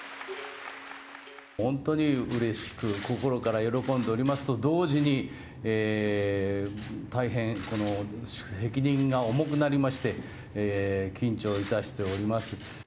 本当にうれしく、心から喜んでおりますと同時に、大変責任が重くなりまして、緊張いたしております。